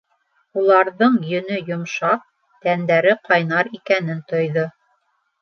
Уларҙың йөнө йомшаҡ, тәндәре ҡайнар икәнен тойҙо.